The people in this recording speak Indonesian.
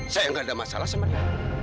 saya nggak ada masalah sama dia